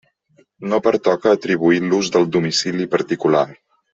No pertoca atribuir l'ús del domicili particular.